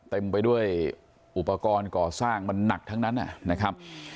เต็มไปด้วยอุปกรณ์ก่อสร้างมันหนักทั้งนั้นนะครับ